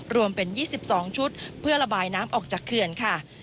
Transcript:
รวมเป็น๒๒ชุดเพื่อระบายน้ำออกจากเขื่อนค่ะ